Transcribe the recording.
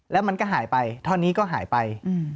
แล้วมันก็หายไปท่อนี้ก็หายไป